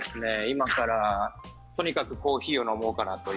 今からとにかくコーヒーを飲もうかなと。